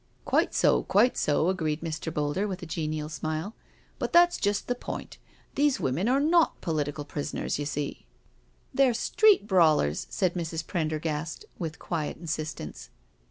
" Quite so, quite so," agreed Mr. Boulder with a genial smile, " but that's just the point— these women are not political prisoners, you see "" They're street brawlers," said Mrs. Prendergast, with quiet insistence.